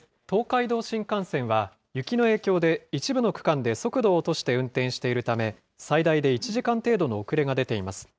東海道新幹線は、雪の影響で一部の区間で速度を落として運転しているため、最大で１時間程度の遅れが出ています。